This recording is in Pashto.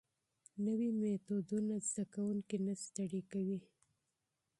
نوي میتودونه زده کوونکي نه ستړي کوي.